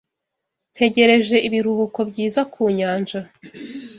Ntegereje ibiruhuko byiza ku nyanja